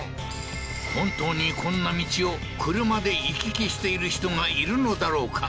本当にこんな道を車で往き来している人がいるのだろうか？